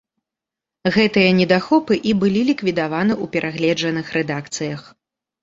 Гэтыя недахопы і былі ліквідаваны ў перагледжаных рэдакцыях.